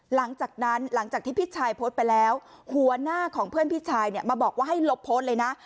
หลังจากที่พี่ชายโพสต์ไปแล้วหัวหน้าของเพื่อนพี่ชายเนี่ยมาบอกว่าให้ลบโพสต์เลยนะ